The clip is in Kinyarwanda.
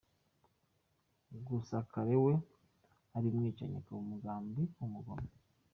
Gusa Kale we , uri umwicanyi, ukaba umugambanyi w umugome.